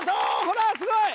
ほらすごい！